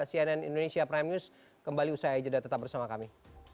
indonesia prime news kembali usai aja dan tetap bersama kami